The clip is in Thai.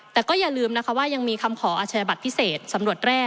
แต่ก็อย่าลืมนะคะว่ายังมีคำขออาชญาบัตรพิเศษสำรวจแร่